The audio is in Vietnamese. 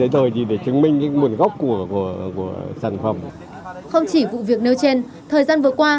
tại nhiều tỉnh thành phố